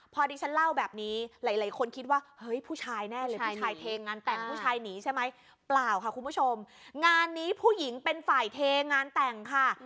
พอดิฉันเล่าแบบนี้หลายหลายคนคิดว่าเฮ้ยผู้ชายแน่เลยผู้ชายเทงานแต่งผู้ชายหนีใช่ไหมเปล่าค่ะคุณผู้ชมงานนี้ผู้หญิงเป็นฝ่ายเทงานแต่งค่ะ